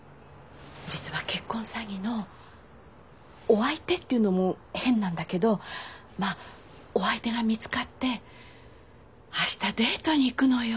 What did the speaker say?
お相手っていうのも変なんだけどまあお相手が見つかって明日デートに行くのよ。